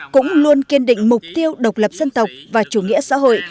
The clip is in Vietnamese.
cũng luôn kiên định mục tiêu độc lập dân tộc và chủ nghĩa xã hội